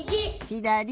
ひだり！